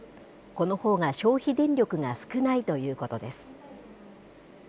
このほうが消費電力が少ないということです。